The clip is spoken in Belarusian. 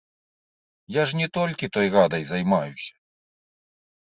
Я ж не толькі той радай займаюся!